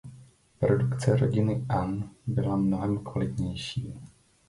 Produkce rodiny An byla mnohem kvalitnější.